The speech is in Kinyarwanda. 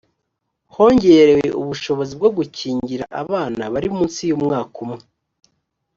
hongerewe ubushobozi bwo gukingira abana bari munsi y umwaka umwe